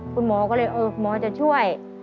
คุณหมอก็เลยเออหมอจะช่วย